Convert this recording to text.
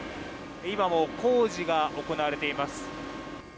今も、工事が行われています。